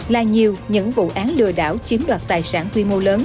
là nhiều những vụ án lừa đảo chiếm đoạt tài sản quy mô lớn